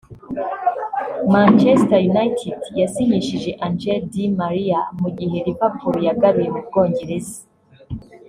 Manchester United yasinyishije Angel Di Maria mu gihe Liverpool yagaruye mu Bwongereza